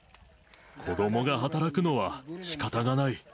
子どもが働くのはしかたがない。